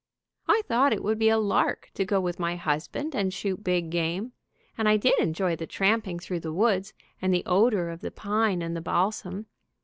I thought it would be a lark to go with my husband, and shoot big game, and I did enjoy the tramping through the woods, and the odor of the pine and the balsam.